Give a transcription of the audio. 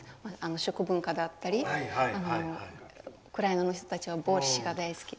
食文化だったりウクライナの人たちはボルシチが大好きで。